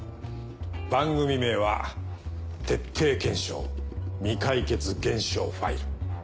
番組名は『徹底検証！未解決現象ファイル』。